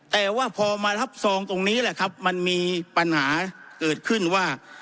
แต่ว่าพอมารับซองตรงนี้แหละครับมันมีปัญหาเกิดขึ้นว่า